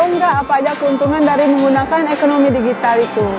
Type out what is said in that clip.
oh enggak apa aja keuntungan dari menggunakan ekonomi digital itu